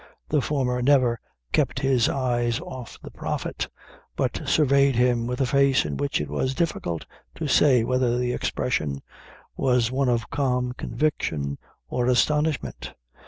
The former never kept his eyes off the Prophet, but surveyed him with a face in which it was difficult to say whether the expression was one of calm conviction or astonishment.